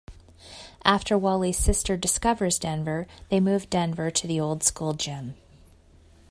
After Wally's sister discovers Denver they move Denver to the old school gym.